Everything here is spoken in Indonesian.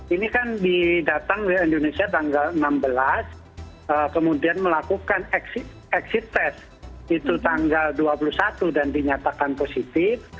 ini kan didatangi indonesia tanggal enam belas kemudian melakukan exit test itu tanggal dua puluh satu dan dinyatakan positif